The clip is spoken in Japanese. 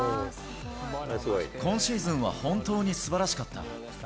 今シーズンは本当にすばらしかった。